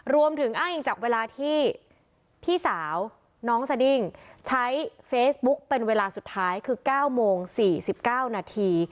รวมถึงอ้างจากเวลาที่พี่สาวน้องสดิ้งใช้เฟซบุ๊กเป็นเวลาสุดท้ายคือ๙โมง๔๙นาที